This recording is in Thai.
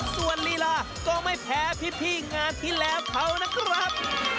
ส่วนลีลาก็ไม่แพ้พี่งานที่แล้วเขานะครับ